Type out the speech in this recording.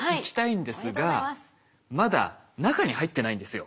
まだ中に入ってないんですよ。